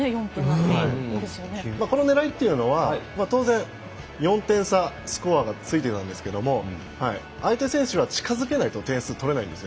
この狙いっていうのは４点差スコアがついていたので相手選手は近づけないと点数が取れません。